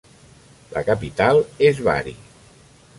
La capital és Bari.